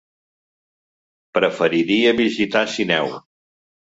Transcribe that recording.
Preferiria visitar Sineu.